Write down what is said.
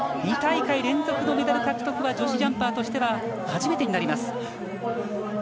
２大会連続のメダル獲得は女子ジャンパーとしては初めてになります。